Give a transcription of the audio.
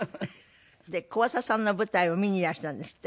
で小朝さんの舞台を見にいらしたんですって？